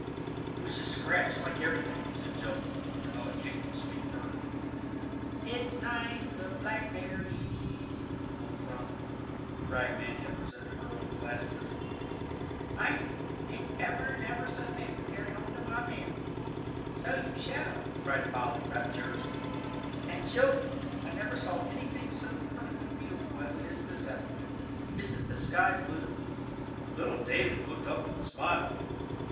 "The bushes scratch like everything," said Joel, with another kick at the sweet fern. "It's nice to go blackberrying," hummed Phronsie, holding fast to a little tin cup the rag man had presented her on his last visit. "I'm going to pick ever and ever so many, to carry home to my Mamsie." "So you shall," cried Polly, rapturously; "and, children, I never saw anything so perfectly beautiful as it is this afternoon! Isn't the sky blue!" Little David looked up and smiled.